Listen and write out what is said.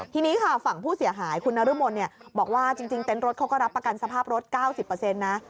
ทีนี้ค่ะฝั่งผู้เสียหายคุณนรมนบอกว่าจริงเต็นต์รถเขาก็รับประกันสภาพรถ๙๐นะ